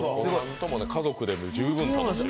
家族でも十分楽しめる。